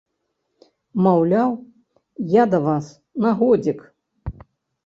Маўляў, я да вас на годзік.